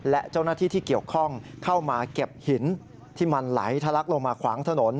และเจ้าหน้าที่ที่เกี่ยวข้องเข้ามาเก็บหินที่มันไหลทะลักลงมาขวางถนน